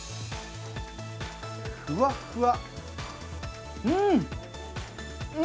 ふわっふわ！